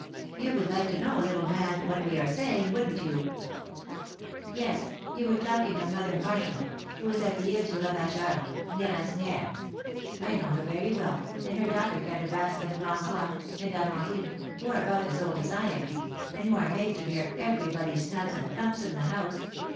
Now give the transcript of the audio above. "You would like to know, little man, what we are saying, wouldn't you?" "Yes. You were talking of Mother Martial, who is at the Ile du Ravageur, near Asnières. I know her very well, and her daughter Calebasse and François and Amandine, who are about as old as I am, and who are made to bear everybody's snubs and thumps in the house.